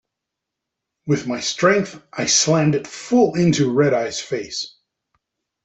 With my strength I slammed it full into Red-Eye's face.